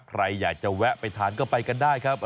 ใครอยากจะแวะไปทานก็ไปกันได้ครับ